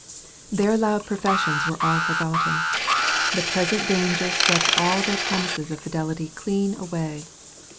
Their loud professions were all forgotten. The present danger swept all their prom ises of fidelity clean away.